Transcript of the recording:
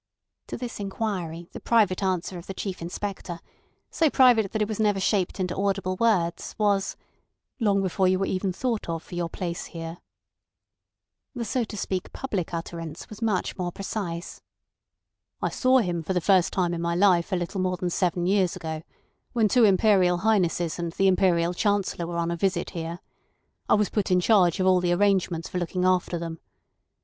To this inquiry the private answer of the Chief Inspector, so private that it was never shaped into audible words, was: "Long before you were even thought of for your place here." The so to speak public utterance was much more precise. "I saw him for the first time in my life a little more than seven years ago, when two Imperial Highnesses and the Imperial Chancellor were on a visit here. I was put in charge of all the arrangements for looking after them.